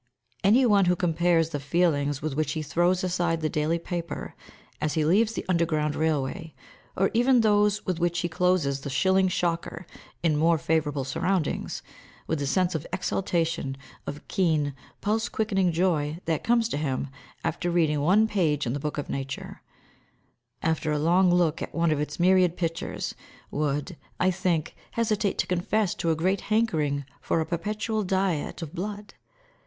Any one who compares the feelings with which he throws aside the daily paper, as he leaves the Underground Railway, or even those with which he closes the shilling shocker in more favourable surroundings, with the sense of exaltation, of keen, pulse quickening joy that comes to him after reading one page in the book of Nature after a long look at one of its myriad pictures would, I think, hesitate to confess to a great hankering for a perpetual diet of blood.